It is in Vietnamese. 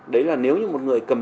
đấy là nếu như một người cầm